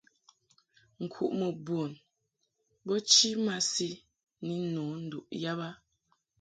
Nkuʼmɨ bun bo chi masi ni nno nduʼ yab a.